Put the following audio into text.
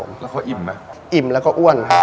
แล้วเค้าอิ่มนะอิ่มแล้วก็อ้วนครับ